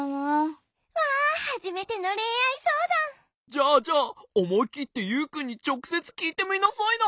じゃあじゃあおもいきってユウくんにちょくせつきいてみなさいな。